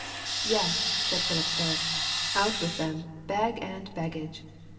"Yes," said Phipps Herrick, "out with them» bag and baggage.